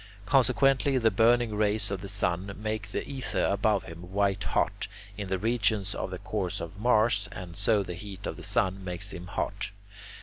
Consequently, the burning rays of the sun make the ether above him white hot, in the regions of the course of Mars, and so the heat of the sun makes him hot.